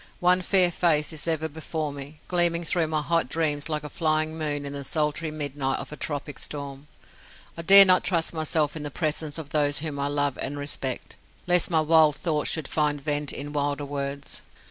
One fair face is ever before me, gleaming through my hot dreams like a flying moon in the sultry midnight of a tropic storm. I dare not trust myself in the presence of those whom I love and respect, lest my wild thoughts should find vent in wilder words.